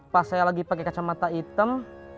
pas saya lagi pakai kacamata hitam